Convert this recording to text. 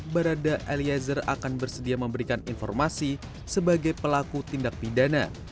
barada eliezer akan bersedia memberikan informasi sebagai pelaku tindak pidana